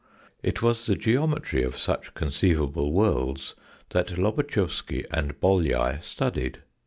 It was the geometry of such conceivable worlds that Lobatchewsky and Bolyai studied.